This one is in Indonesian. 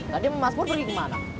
tadi mas pur pergi kemana